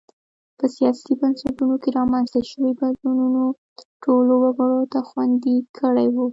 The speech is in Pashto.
په سیاسي بنسټونو کې رامنځته شویو بدلونونو ټولو وګړو ته خوندي کړي وو.